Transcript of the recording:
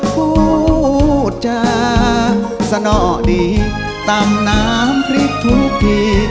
พูดจาสนอดีตำน้ำพริกทุกที